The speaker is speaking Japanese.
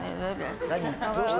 どうした？